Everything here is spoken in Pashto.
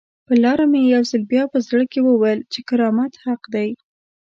پر لاره مې یو ځل بیا په زړه کې وویل چې کرامت حق دی.